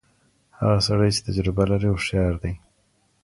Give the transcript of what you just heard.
هغه سړی چي تجربه لري هوښیار دی.